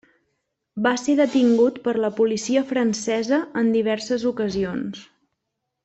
Va ser detingut per la policia francesa en diverses ocasions.